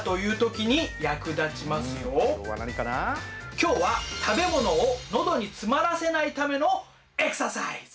今日は食べ物を喉に詰まらせないためのエクササイズ！